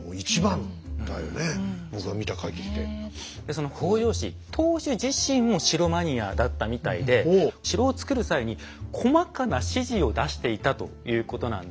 その北条氏当主自身も城マニアだったみたいで城を造る際に細かな指示を出していたということなんです。